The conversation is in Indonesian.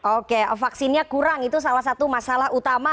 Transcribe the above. oke vaksinnya kurang itu salah satu masalah utama